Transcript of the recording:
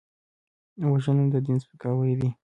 وژنه د دین سپکاوی دی